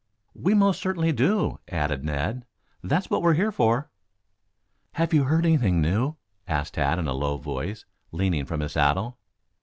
"We most certainly do," added Ned. "That's what we are here for." "Have you heard anything new?" asked Tad, in a low voice, leaning from his saddle.